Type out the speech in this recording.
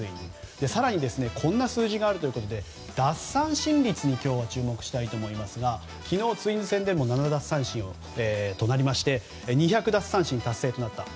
更に、こんな数字があるということで奪三振率に注目したいと思いますが昨日、ツインズ戦でも７奪三振となりまして２００奪三振達成となりました。